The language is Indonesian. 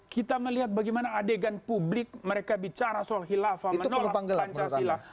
kita melihat bagaimana adegan publik mereka bicara soal khilafah menolak pancasila